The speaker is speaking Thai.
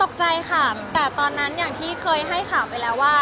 ตกใจค่ะแต่ตอนนั้นอย่างที่เคยให้ข่าวไปแล้วว่า